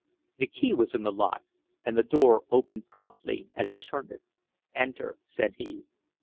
The key was in the lock and the door opened promptly as he turned it. "Enter," said he.